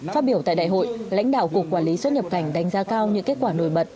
phát biểu tại đại hội lãnh đạo cục quản lý xuất nhập cảnh đánh giá cao những kết quả nổi bật